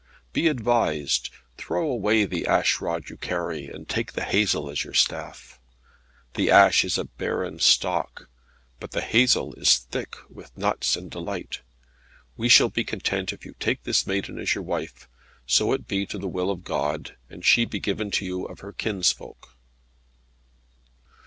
Be advised: throw away the ash rod you carry, and take the hazel as your staff. The ash is a barren stock; but the hazel is thick with nuts and delight. We shall be content if you take this maiden as your wife, so it be to the will of God, and she be given you of her kinsfolk."